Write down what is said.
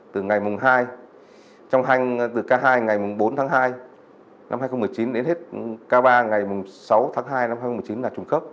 từ ngày mùng hai trong hành từ k hai ngày mùng bốn tháng hai năm hai nghìn một mươi chín đến hết k ba ngày mùng sáu tháng hai năm hai nghìn một mươi chín là trùng khớp